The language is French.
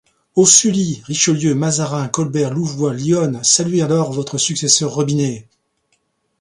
O Sully, Richelieu, Mazarin, Colbert, Louvois, Lyonne, saluez alors votre successeur Robinet !